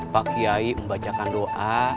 pak kiai membacakan doa